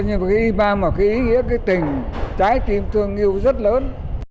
nhưng mà cái ý nghĩa cái tình trái tim thương yêu rất lớn